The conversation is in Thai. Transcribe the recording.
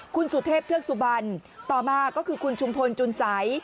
คุณสุเทพเทือกสุบันต่อมาก็คือคุณชุมพลจุนสัย